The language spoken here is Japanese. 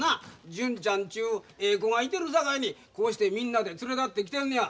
純ちゃんちゅうええ子がいてるさかいにこうしてみんなで連れ立って来てんねや。